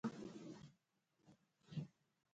ذکریا علیه السلام د یحیا علیه السلام پلار و.